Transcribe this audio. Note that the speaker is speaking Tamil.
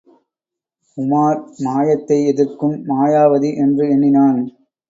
உமார் மாயத்தை எதிர்க்கும் மாயாவாதி என்று எண்ணினான்.